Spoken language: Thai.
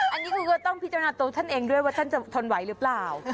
อันนี้คุณก็ต้องพิจารณาตัวท่านเองด้วยว่าท่านจะทนไหวหรือเปล่า